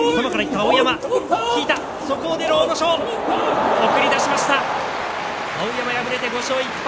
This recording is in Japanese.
碧山、敗れました５勝１敗。